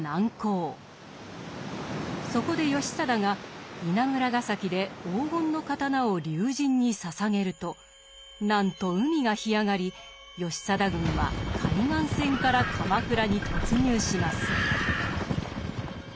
そこで義貞が稲村ヶ崎で黄金の刀を竜神に捧げるとなんと海が干上がり義貞軍は海岸線から鎌倉に突入します。